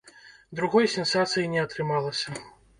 Другой сенсацыі не атрымалася.